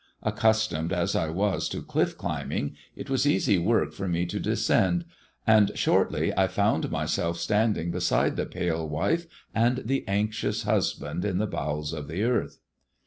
Accustomed as I was to clifE climbing, it was easy work for me to descend, and shortly I found myself standing beside the pale wife and the anxious husband in the bowels of the earth.